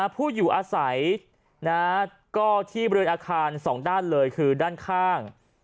ผู้อยู่อาศัยก็ที่บริเวณอาคารสองด้านเลยคือด้านข้าง